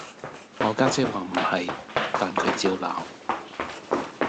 我家姐話唔係，但佢照鬧